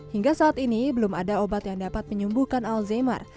hingga saat ini belum ada obat yang dapat menyembuhkan alzheimer